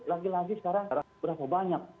lagi lagi sekarang berapa banyak